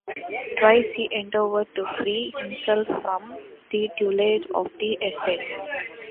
Twice he endeavoured to free himself from the tutelage of the estates.